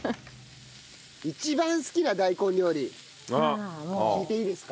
一番好きな大根料理聞いていいですか？